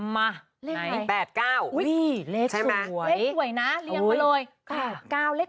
มาเลขไหน๘๙อุ้ยเลขสวยเลขสวยนะเลี้ยงมาเลย